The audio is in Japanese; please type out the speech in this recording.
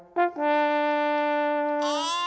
あ！